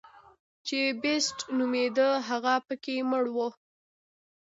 چې بېسټ نومېده هغه پکې مړ و.